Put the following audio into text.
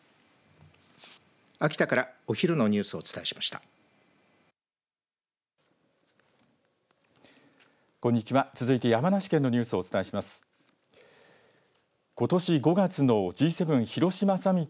秋田からお昼のニュースをお伝えしました。